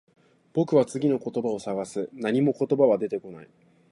僕は次の言葉を探す。何も言葉は出てこない。